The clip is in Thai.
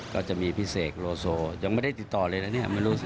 ก็จะมีพี่เสกโลโซยังไม่ได้ติดต่อเลยนะเนี่ย